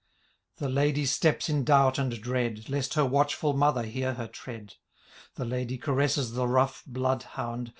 rhe ladye steps in doubt and dread. Lest her watchful mother hear her tread ; The ladye caresses the rough blood hound.